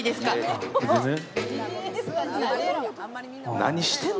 何してんの？